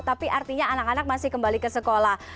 tapi artinya anak anak masih kembali ke sekolah